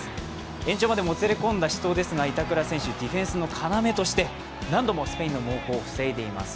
延長までもつれ込んだ死闘ですが板倉選手、ディフェンスの要として何度もスペインの猛攻を防いでいます。